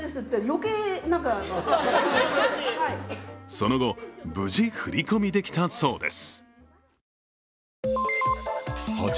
その後、無事振り込みできたそうです。